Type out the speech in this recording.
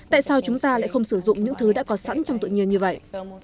tại sao chúng ta lại không sử dụng những thứ đã có sẵn trong tự nhiên như vậy